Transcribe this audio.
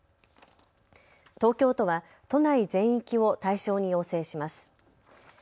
東京都は都内全域を対象に要請します。